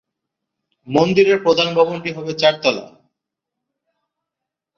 মন্দিরের প্রধান ভবনটি হবে চারতলা।